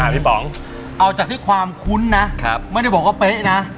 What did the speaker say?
พี่ป๋องเอาจากที่ความคุ้นนะไม่ได้บอกว่าเป๊ะนะ